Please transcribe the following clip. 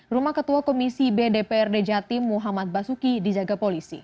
rumah ketua komisi bdprd jatim muhammad basuki dijaga polisi